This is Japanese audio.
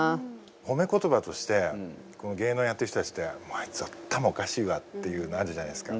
褒め言葉として芸能やってる人たちってあいつは頭おかしいわっていうのあるじゃないですか。